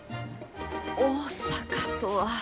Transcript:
大阪とは。